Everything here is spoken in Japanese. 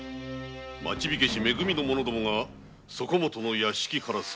町火消・め組の者どもがそこもとの屋敷から救い出し